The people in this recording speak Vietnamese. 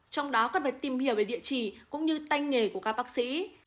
trong đó cần phải tìm hiểu về địa chỉ cũng như tay nghề của các bác sĩ